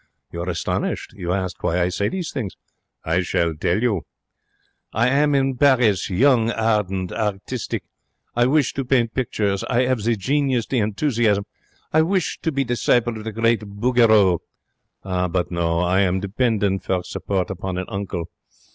You are astonished. You ask why I say these things. I shall tell you. I am in Paris, young, ardent, artistic. I wish to paint pictures. I 'ave the genius, the ent'usiasm. I wish to be disciple of the great Bouguereau. But no. I am dependent for support upon an uncle.